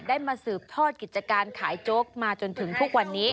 ได้มาสืบทอดกิจการขายโจ๊กมาจนถึงทุกวันนี้